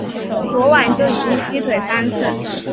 昨晚就已经劈腿三次